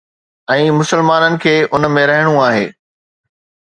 ۽ مسلمانن کي ان ۾ رهڻو آهي.